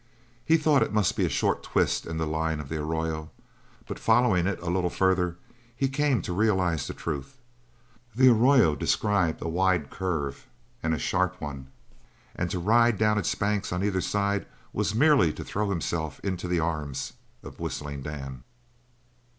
He thought it must be a short twist in the line of the arroyo, but following it a little further he came to realise the truth. The arroyo described a wide curve, and a sharp one, and to ride down its banks on either side was merely to throw himself into the arms of Whistling Dan.